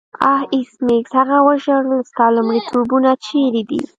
آه ایس میکس هغه وژړل ستا لومړیتوبونه چیرته دي